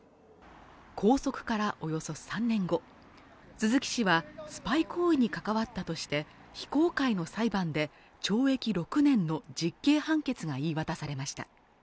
拘束からおよそ３年後鈴木氏はスパイ行為に関わったとして非公開の裁判で懲役６年の実刑判決が言い渡されました